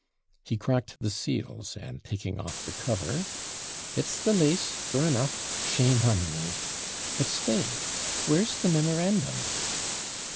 He cracked the seals, and taking off the cover, 'It's the LASE, sure enough. Shame on me! But stay, where's the memorandum?'